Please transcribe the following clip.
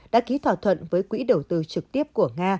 đã ký thỏa thuận với quỹ đầu tư trực tiếp của nga